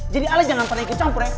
jadi alet jangan terlalu kecampur ya